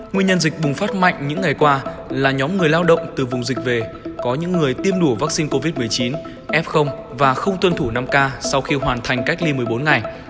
nguyên nhân dịch bùng phát mạnh những ngày qua là nhóm người lao động từ vùng dịch về có những người tiêm đủ vaccine covid một mươi chín f và không tuân thủ năm k sau khi hoàn thành cách ly một mươi bốn ngày